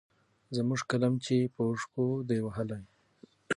زموږ قلم چي يې په اوښکو دی وهلی